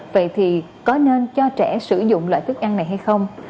vậy thì có nên cho trẻ sử dụng loại thức ăn này hay không